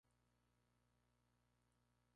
El, fue el único miembro de Delirious?